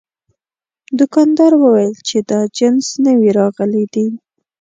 دوکاندار وویل چې دا جنس نوي راغلي دي.